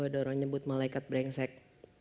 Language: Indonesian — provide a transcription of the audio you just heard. ada orang nyebut malaikat brengsek